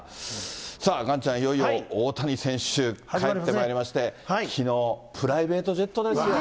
さあ、岩ちゃん、いよいよ大谷選手、帰ってまいりまして、きのう、プライベートジェットですよ。